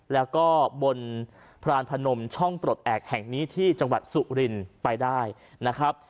แล้วก็บนพรานพนมช่องปลดแอบแห่งนี้ที่จังหวัดสุรินไปได้นะครับ